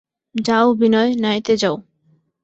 যাও বিনয়, নাইতে যাও।